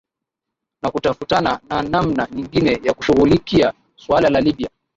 na kutafutana na namna nyingine ya kushughulikia suala la libya